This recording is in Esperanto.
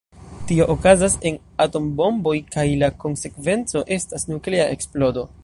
Tio okazas en atombomboj kaj la konsekvenco estas nuklea eksplodo.